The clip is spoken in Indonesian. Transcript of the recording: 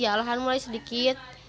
iya lahan mulai sedikit